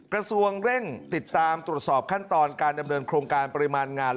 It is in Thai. กระทรวงเร่งติดตามตรวจสอบขั้นตอนการดำเนินโครงการปริมาณงาน